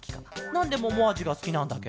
なんでももあじがすきなんだケロ？